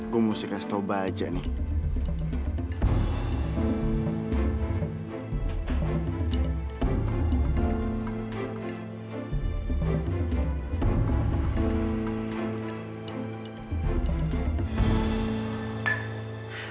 gua mesti kasih tau ba aja nih